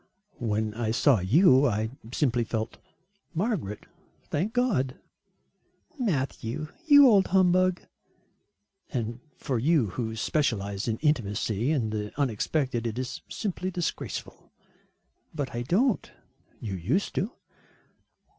"When I saw you I simply felt Margaret, thank God!" "Matthew, you old humbug." "And for you who specialise in intimacy and the unexpected, it is simply disgraceful." "But I don't." "You used to."